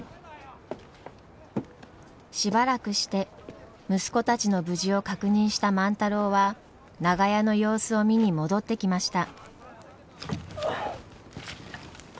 しばらくして息子たちの無事を確認した万太郎は長屋の様子を見に戻ってきました。